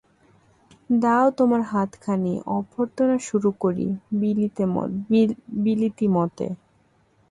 দাও তোমার হাতখানি, অভ্যর্থনা শুরু করি বিলিতি মতে।